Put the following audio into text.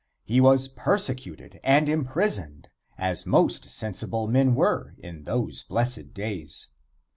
He was persecuted and imprisoned, as most sensible men were in those blessed days.